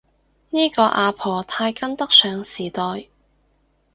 呢個阿婆太跟得上時代